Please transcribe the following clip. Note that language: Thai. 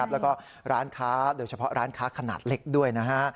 แล้วก็ร้านค้าโดยเฉพาะร้านค้าขนาดเล็กด้วยนะฮะ